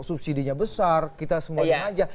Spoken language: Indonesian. subsidenya besar kita semua yang haja